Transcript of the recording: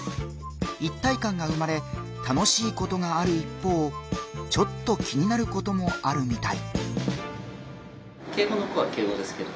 一体感が生まれ楽しいことがある一方ちょっと気になることもあるみたい。